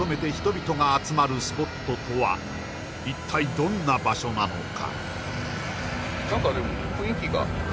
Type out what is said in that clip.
どんな場所なのか？